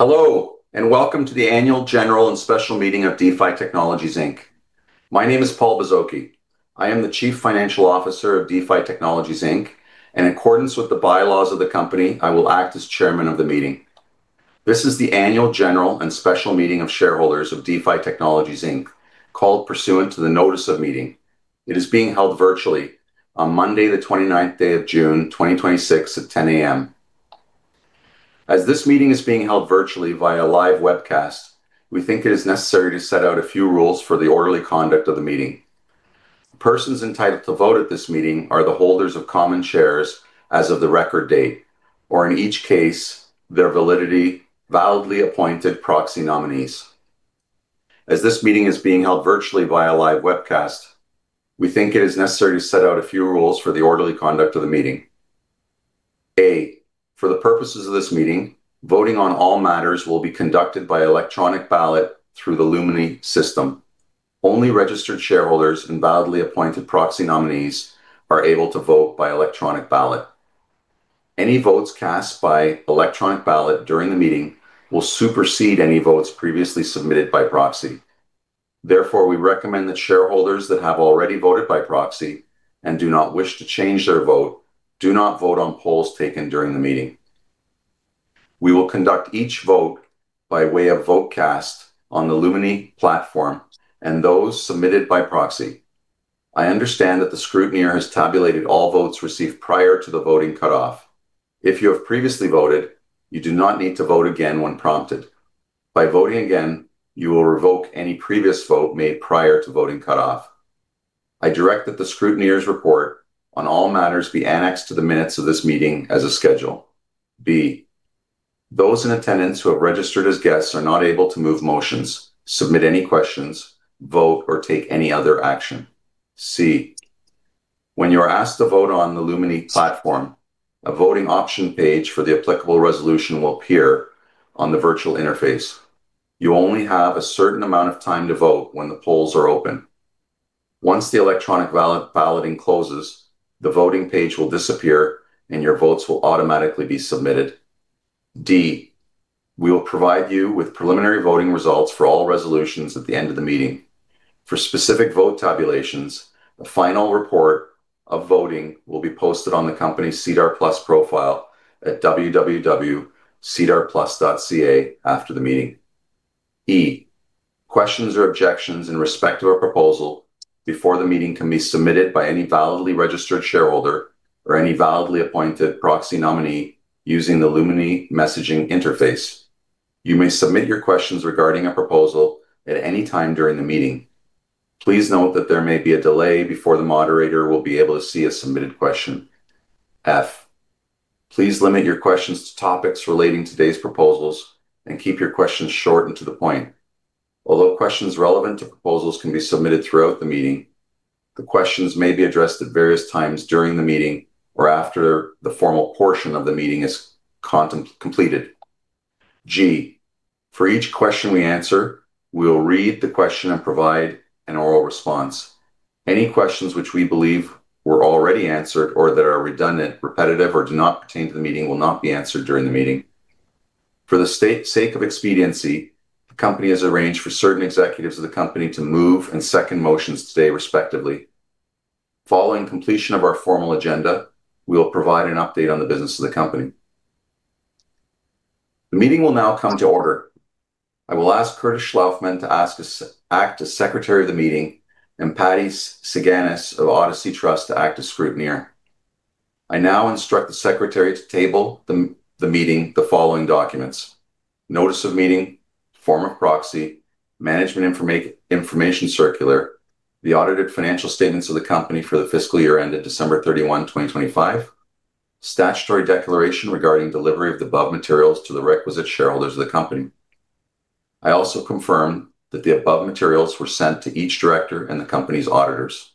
Hello, and welcome to the annual general and special meeting of DeFi Technologies Inc. My name is Paul Bozoki. I am the Chief Financial Officer of DeFi Technologies Inc. In accordance with the bylaws of the company, I will act as chairman of the meeting. This is the annual general and special meeting of shareholders of DeFi Technologies Inc., called pursuant to the notice of meeting. It is being held virtually on Monday the 29th day of June 2026 at 10:00 A.M. As this meeting is being held virtually via live webcast, we think it is necessary to set out a few rules for the orderly conduct of the meeting. Persons entitled to vote at this meeting are the holders of common shares as of the record date, or in each case, their validly appointed proxy nominees. As this meeting is being held virtually via live webcast, we think it is necessary to set out a few rules for the orderly conduct of the meeting. A, for the purposes of this meeting, voting on all matters will be conducted by electronic ballot through the Lumi system. Only registered shareholders and validly appointed proxy nominees are able to vote by electronic ballot. Any votes cast by electronic ballot during the meeting will supersede any votes previously submitted by proxy. Therefore, we recommend that shareholders that have already voted by proxy and do not wish to change their vote do not vote on polls taken during the meeting. We will conduct each vote by way of vote cast on the Lumi platform and those submitted by proxy. I understand that the scrutineer has tabulated all votes received prior to the voting cutoff. If you have previously voted, you do not need to vote again when prompted. By voting again, you will revoke any previous vote made prior to voting cutoff. I direct that the scrutineer's report on all matters be annexed to the minutes of this meeting as a schedule. B, those in attendance who have registered as guests are not able to move motions, submit any questions, vote, or take any other action. C, when you are asked to vote on the Lumi platform, a voting option page for the applicable resolution will appear on the virtual interface. You only have a certain amount of time to vote when the polls are open. Once the electronic balloting closes, the voting page will disappear and your votes will automatically be submitted. D, we will provide you with preliminary voting results for all resolutions at the end of the meeting. For specific vote tabulations, a final report of voting will be posted on the company's SEDAR+ profile at www.sedarplus.ca after the meeting. E, questions or objections in respect to a proposal before the meeting can be submitted by any validly registered shareholder or any validly appointed proxy nominee using the Lumi messaging interface. You may submit your questions regarding a proposal at any time during the meeting. Please note that there may be a delay before the moderator will be able to see a submitted question. F, please limit your questions to topics relating today's proposals and keep your questions short and to the point. Although questions relevant to proposals can be submitted throughout the meeting, the questions may be addressed at various times during the meeting or after the formal portion of the meeting is completed. For each question we answer, we will read the question and provide an oral response. Any questions which we believe were already answered or that are redundant, repetitive, or do not pertain to the meeting will not be answered during the meeting. For the sake of expediency, the company has arranged for certain executives of the company to move and second motions today, respectively. Following completion of our formal agenda, we will provide an update on the business of the company. The meeting will now come to order. I will ask Curtis Schlaufman to act as Secretary of the meeting and Patty Sigiannis of Odyssey Trust to act as Scrutineer. I now instruct the secretary to table the meeting the following documents: notice of meeting, form of proxy, management information circular, the audited financial statements of the company for the fiscal year ended December 31, 2025, statutory declaration regarding delivery of the above materials to the requisite shareholders of the company. I also confirm that the above materials were sent to each director and the company's auditors.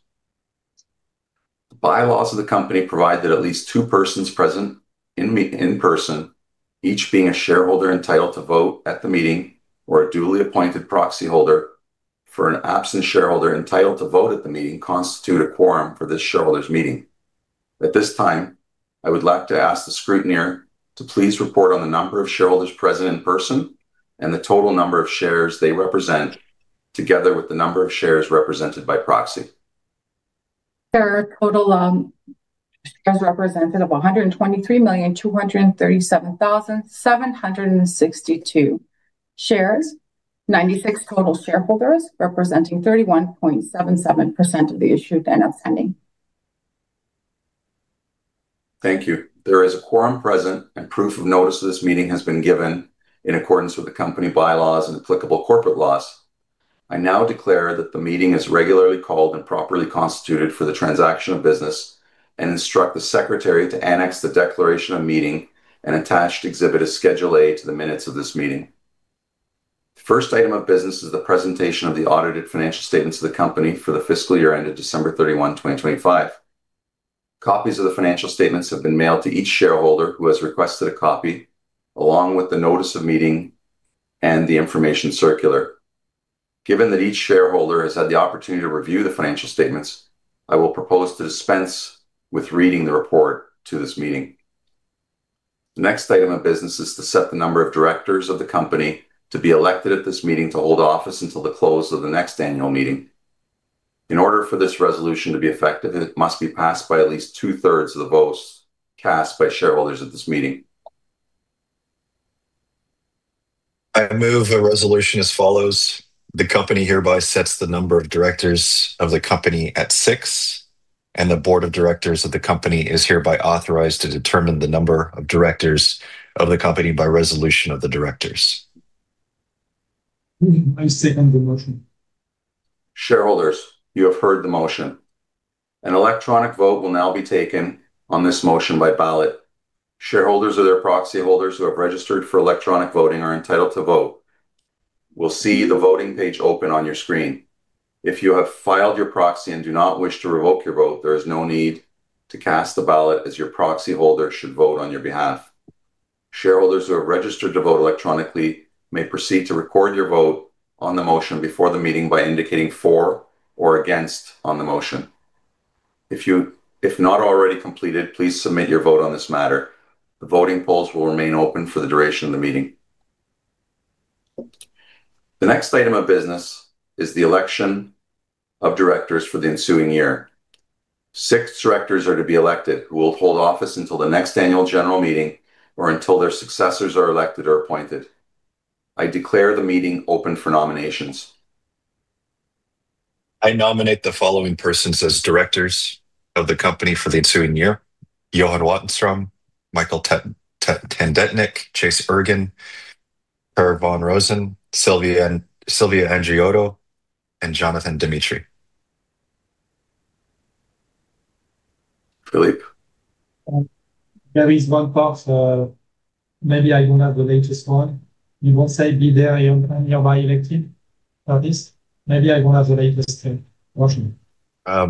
The bylaws of the company provide that at least two persons present in person, each being a shareholder entitled to vote at the meeting or a duly appointed proxy holder for an absent shareholder entitled to vote at the meeting constitute a quorum for this shareholders' meeting. At this time, I would like to ask the scrutineer to please report on the number of shareholders present in person and the total number of shares they represent, together with the number of shares represented by proxy. There are a total shares represented of 123,237,762 shares, 96 total shareholders representing 31.77% of the issued and outstanding. Thank you. There is a quorum present. Proof of notice of this meeting has been given in accordance with the company bylaws and applicable corporate laws. I now declare that the meeting is regularly called and properly constituted for the transaction of business and instruct the secretary to annex the declaration of meeting and attach to exhibit as Schedule A to the minutes of this meeting. The first item of business is the presentation of the audited financial statements of the company for the fiscal year ended December 31, 2025. Copies of the financial statements have been mailed to each shareholder who has requested a copy, along with the notice of meeting and the information circular. Given that each shareholder has had the opportunity to review the financial statements, I will propose to dispense with reading the report to this meeting. The next item of business is to set the number of directors of the company to be elected at this meeting to hold office until the close of the next annual meeting. In order for this resolution to be effective, it must be passed by at least two-thirds of the votes cast by shareholders at this meeting. I move a resolution as follows. The company hereby sets the number of directors of the company at six. The board of directors of the company is hereby authorized to determine the number of directors of the company by resolution of the directors. I second the motion. Shareholders, you have heard the motion. An electronic vote will now be taken on this motion by ballot. Shareholders or their proxyholders who have registered for electronic voting are entitled to vote will see the voting page open on your screen. If you have filed your proxy and do not wish to revoke your vote, there is no need to cast a ballot as your proxyholder should vote on your behalf. Shareholders who have registered to vote electronically may proceed to record your vote on the motion before the meeting by indicating for or against on the motion. If not already completed, please submit your vote on this matter. The voting polls will remain open for the duration of the meeting. The next item of business is the election of directors for the ensuing year. Six directors are to be elected who will hold office until the next annual general meeting or until their successors are elected or appointed. I declare the meeting open for nominations. I nominate the following persons as directors of the company for the ensuing year. Johan Wattenström, Mikael Tandetnik, Chase Ergen, Per von Rosen, Silvia Andriotto, and Jonathan Dimitry. Philippe? There is one part, maybe I don't have the latest one. You won't say be there and nearby elected for this. Maybe I don't have the latest motion. Yeah,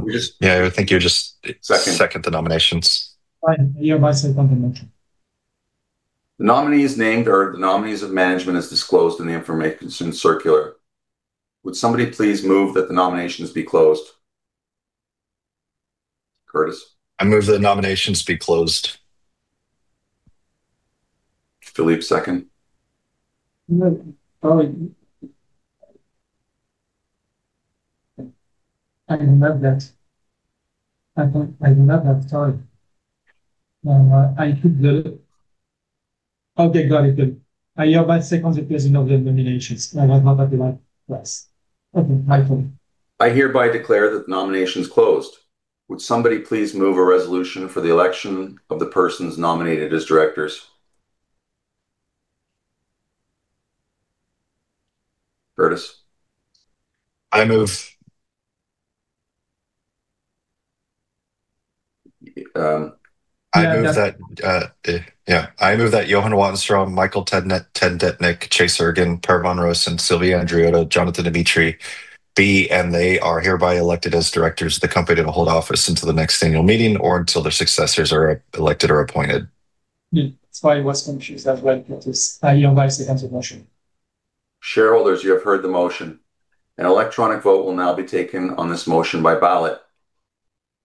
I think you just. Second Second the nominations. Fine. I hereby second the motion. The nominees named are the nominees of management as disclosed in the information circular. Would somebody please move that the nominations be closed? Curtis. I move the nominations be closed. Philippe, second? No. I didn't have that. I do not have that. Sorry. Okay, got it then. I hereby second the closing of the nominations. I don't have that in my place. Okay. I hereby declare the nominations closed. Would somebody please move a resolution for the election of the persons nominated as directors? Curtis. I move. Yeah. I move that, yeah, I move that Johan Wattenström, Mikael Tandetnik, Chase Ergen, Per von Rosen, Silvia Andriotto, Jonathan Dimitry be, and they are hereby elected as directors of the company to hold office until the next annual meeting or until their successors are elected or appointed. Yeah. That's why I was confused as well, Curtis. I hereby second the motion. Shareholders, you have heard the motion. An electronic vote will now be taken on this motion by ballot.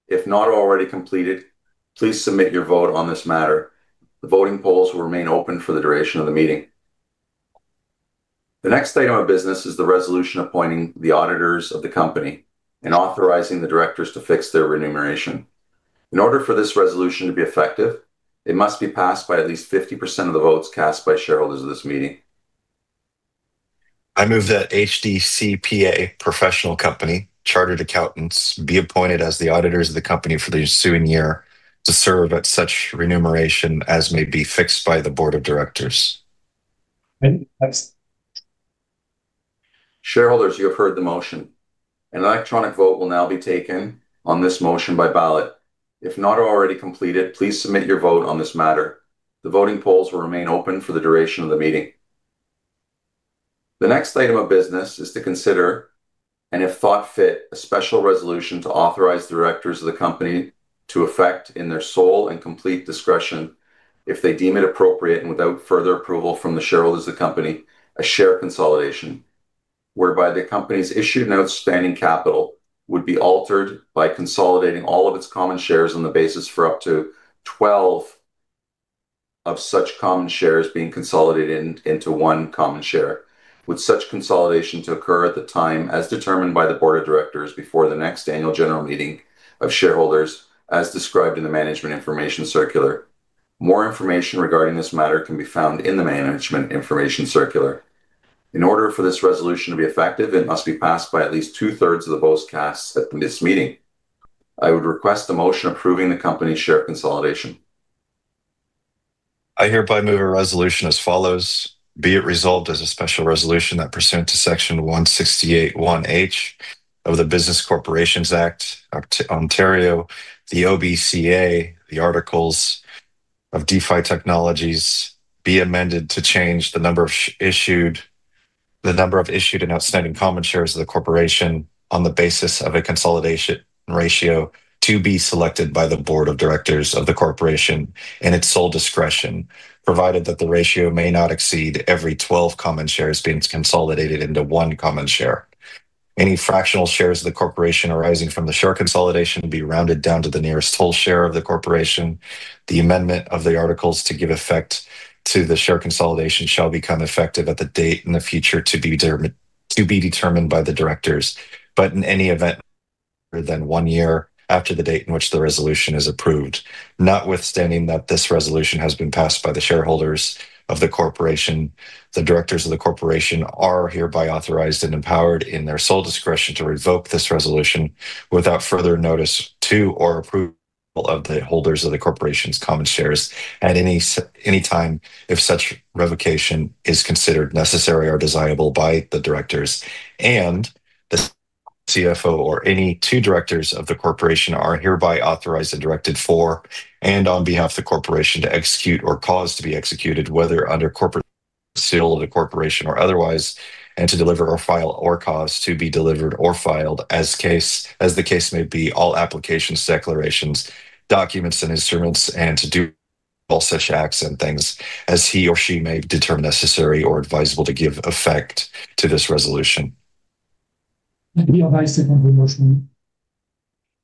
If not already completed, please submit your vote on this matter. The voting polls will remain open for the duration of the meeting. The next item of business is the resolution appointing the auditors of the company and authorizing the directors to fix their remuneration. In order for this resolution to be effective, it must be passed by at least 50% of the votes cast by shareholders of this meeting. I move that HDCPA Professional Corporation Chartered Accountants be appointed as the auditors of the company for the ensuing year to serve at such remuneration as may be fixed by the board of directors. And that's- Shareholders, you have heard the motion. An electronic vote will now be taken on this motion by ballot. If not already completed, please submit your vote on this matter. The voting polls will remain open for the duration of the meeting. The next item of business is to consider, and if thought fit, a special resolution to authorize the directors of the company to effect, in their sole and complete discretion, if they deem it appropriate and without further approval from the shareholders of the company, a share consolidation, whereby the company's issued and outstanding capital would be altered by consolidating all of its common shares on the basis for up to 12 of such common shares being consolidated into one common share, with such consolidation to occur at the time as determined by the board of directors before the next annual general meeting of shareholders as described in the management information circular. More information regarding this matter can be found in the management information circular. In order for this resolution to be effective, it must be passed by at least two-thirds of the votes cast at this meeting. I would request a motion approving the company share consolidation. I hereby move a resolution as follows. Be it resolved as a special resolution that pursuant to Section 168 (1)(h) of the Business Corporations Act of Ontario, the OBCA, the articles of DeFi Technologies be amended to change the number of issued and outstanding common shares of the corporation on the basis of a consolidation ratio to be selected by the board of directors of the corporation in its sole discretion, provided that the ratio may not exceed every 12 common shares being consolidated into one common share. Any fractional shares of the corporation arising from the share consolidation will be rounded down to the nearest whole share of the corporation. The amendment of the articles to give effect to the share consolidation shall become effective at the date in the future to be determined by the directors. In any event, within one year after the date in which the resolution is approved. Notwithstanding that this resolution has been passed by the shareholders of the corporation, the directors of the corporation are hereby authorized and empowered in their sole discretion to revoke this resolution without further notice to or approval of the holders of the corporation's common shares at any time if such revocation is considered necessary or desirable by the directors and the CFO or any two directors of the corporation are hereby authorized and directed for, and on behalf of the corporation, to execute or cause to be executed, whether under corporate seal of the corporation or otherwise, and to deliver or file, or cause to be delivered or filed as the case may be, all applications, declarations, documents, and instruments, and to do all such acts and things as he or she may determine necessary or advisable to give effect to this resolution. I hereby second the motion.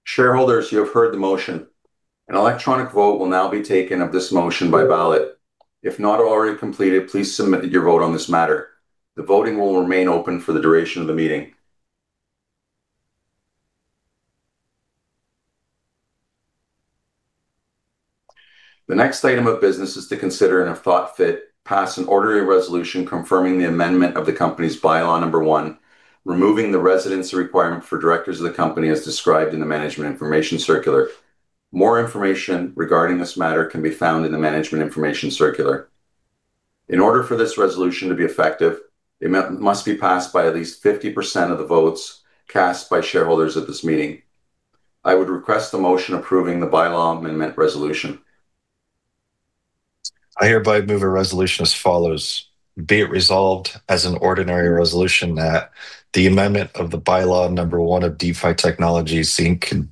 Shareholders, you have heard the motion. An electronic vote will now be taken of this motion by ballot. If not already completed, please submit your vote on this matter. The voting will remain open for the duration of the meeting. The next item of business is to consider and if thought fit, pass an ordinary resolution confirming the amendment of the company's bylaw number one, removing the residency requirement for directors of the company as described in the management information circular. More information regarding this matter can be found in the management information circular. In order for this resolution to be effective, it must be passed by at least 50% of the votes cast by shareholders at this meeting. I would request the motion approving the bylaw amendment resolution. I hereby move a resolution as follows. Be it resolved as an ordinary resolution that the amendment of the bylaw number one of DeFi Technologies Inc.,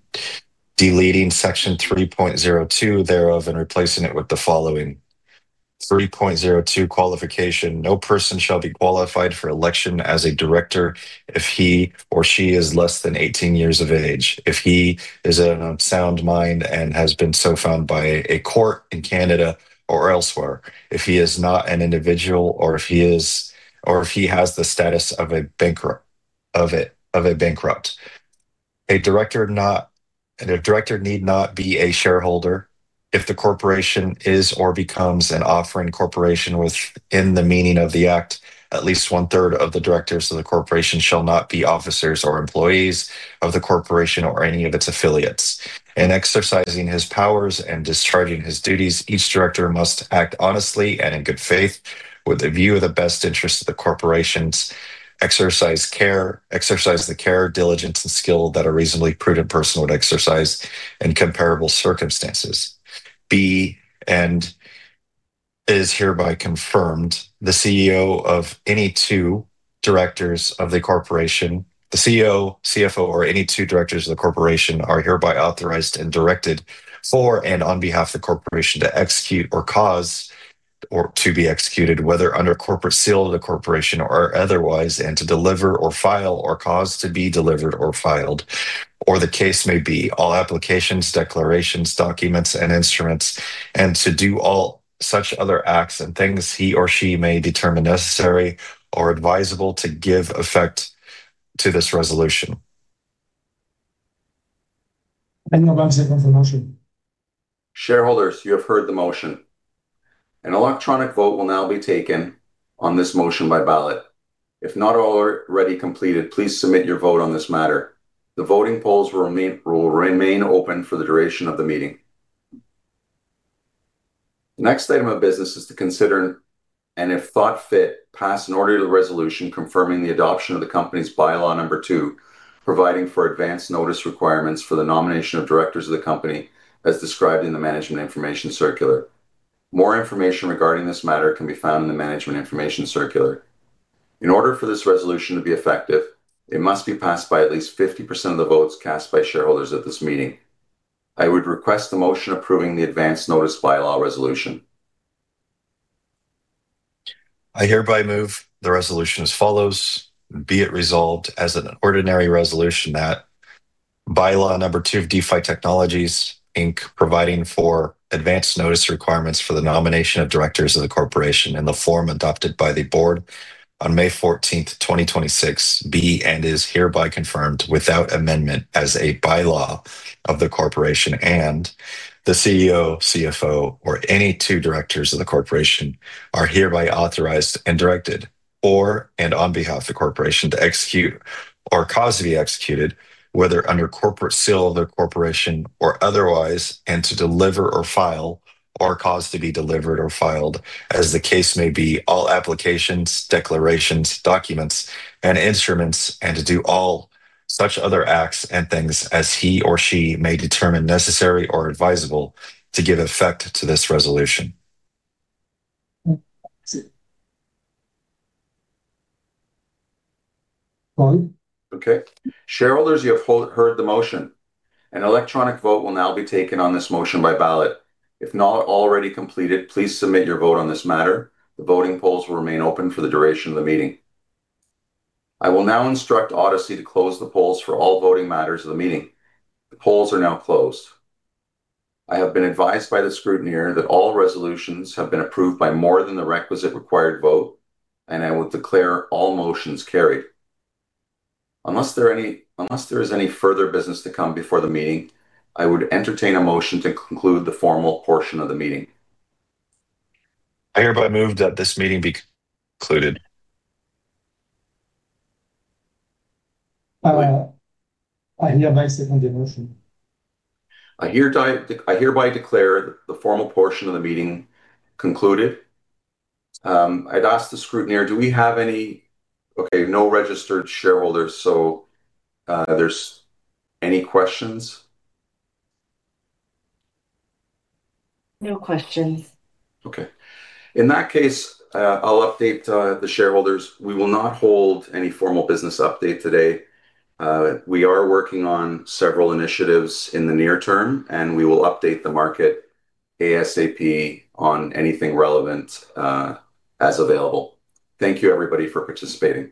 deleting Section 3.02 thereof and replacing it with the following. 3.02 Qualification. No person shall be qualified for election as a director if he or she is less than 18 years of age. If he is of sound mind and has been so found by a court in Canada or elsewhere. If he is not an individual, or if he has the status of a bankrupt. A director need not be a shareholder. If the corporation is or becomes an offering corporation within the meaning of the Act, at least one-third of the directors of the corporation shall not be officers or employees of the corporation or any of its affiliates. In exercising his powers and discharging his duties, each director must act honestly and in good faith with a view of the best interest of the corporations, exercise the care, diligence, and skill that a reasonably prudent person would exercise in comparable circumstances. The CEO, CFO, or any two directors of the corporation are hereby authorized and directed for and on behalf of the corporation to execute or cause to be executed, whether under corporate seal of the corporation or otherwise, and to deliver or file, or cause to be delivered or filed, as the case may be, all applications, declarations, documents, and instruments, and to do all such other acts and things he or she may determine necessary or advisable to give effect to this resolution. I move second the motion. Shareholders, you have heard the motion. An electronic vote will now be taken on this motion by ballot. If not already completed, please submit your vote on this matter. The voting polls will remain open for the duration of the meeting. The next item of business is to consider, and if thought fit, pass an order of the resolution confirming the adoption of the company's bylaw number two, providing for advance notice requirements for the nomination of directors of the company as described in the management information circular. More information regarding this matter can be found in the management information circular. In order for this resolution to be effective, it must be passed by at least 50% of the votes cast by shareholders at this meeting. I would request the motion approving the advance notice bylaw resolution. I hereby move the resolution as follows. Be it resolved as an ordinary resolution that bylaw number two of DeFi Technologies Inc., providing for advance notice requirements for the nomination of directors of the corporation in the form adopted by the board on May 14th, 2026, be and is hereby confirmed without amendment as a bylaw of the corporation and the CEO, CFO, or any two directors of the corporation are hereby authorized and directed or and on behalf of the corporation, to execute or cause to be executed, whether under corporate seal of the corporation or otherwise, and to deliver or file, or cause to be delivered or filed, as the case may be, all applications, declarations, documents, and instruments, and to do all such other acts and things as he or she may determine necessary or advisable to give effect to this resolution. That's it. Paul? Shareholders, you have heard the motion. An electronic vote will now be taken on this motion by ballot. If not already completed, please submit your vote on this matter. The voting polls will remain open for the duration of the meeting. I will now instruct Odyssey to close the polls for all voting matters of the meeting. The polls are now closed. I have been advised by the scrutineer that all resolutions have been approved by more than the requisite required vote. I will declare all motions carried. Unless there is any further business to come before the meeting, I would entertain a motion to conclude the formal portion of the meeting. I hereby move that this meeting be concluded. I hereby second the motion. I hereby declare the formal portion of the meeting concluded. I'd ask the scrutineer, Okay, no registered shareholders, so are there any questions? No questions. Okay. In that case, I'll update the shareholders. We will not hold any formal business update today. We are working on several initiatives in the near term, and we will update the market ASAP on anything relevant as available. Thank you everybody for participating.